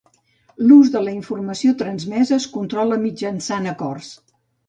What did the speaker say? L'ús de la informació transmesa es controla mitjançant acords.